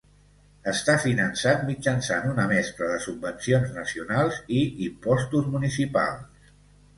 Està finançat mitjançant una mescla de subvencions nacionals i impostos municipals.